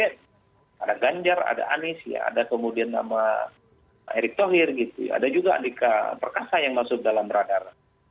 ada presiden ada ganjar ada anis ada kemudian nama erick thohir ada juga andika perkasa yang masuk dalam radar